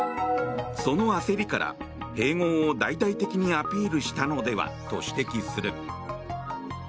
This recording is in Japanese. その焦りから、併合を大々的にアピールしたのではと指摘する。